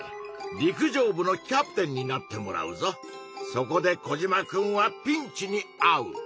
そこでコジマくんはピンチにあう！